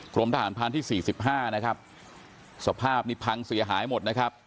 กรมทหารพานที่สี่สิบห้านะครับสภาพนี้พังเสียหายหมดนะครับ